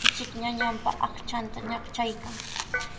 Ichik ñañanpa aqchanta ñaqchaykan.